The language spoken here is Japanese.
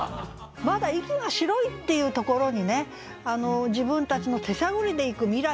まだ息が白いっていうところにね自分たちの手探りで行く未来